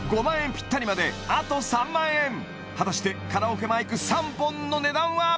ぴったりまであと３万円果たしてカラオケマイク３本の値段は？